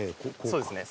そうですね。